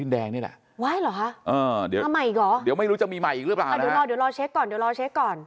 เดี๋ยวรอเช็คก่อน